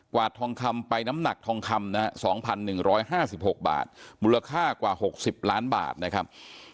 วาดทองคำไปน้ำหนักทองคำนะฮะ๒๑๕๖บาทมูลค่ากว่า๖๐ล้านบาทนะครับ